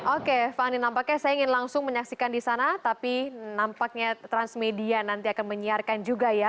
oke fani nampaknya saya ingin langsung menyaksikan di sana tapi nampaknya transmedia nanti akan menyiarkan juga ya